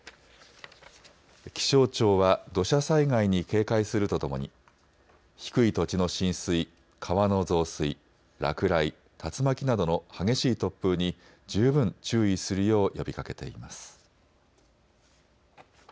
気象庁は土砂災害に警戒するとともに低い土地の浸水、川の増水、落雷、竜巻などの激しい突風に十分注意するよう呼びかけています。